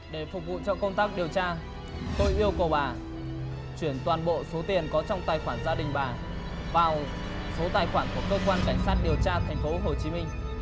để phục vụ cho công tác điều tra tôi yêu cầu bà chuyển toàn bộ số tiền có trong tài khoản gia đình bà vào số tài khoản của cơ quan cảnh sát điều tra thành phố hồ chí minh